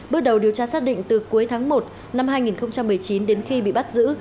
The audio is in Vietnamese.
bước đầu điều tra xác định từ cuối tháng một năm hai nghìn một mươi chín đến khi bị bắt giữ